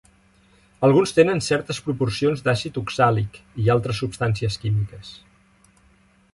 Alguns tenen certes proporcions d'àcid oxàlic i d'altres substàncies químiques.